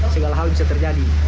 segala hal bisa terjadi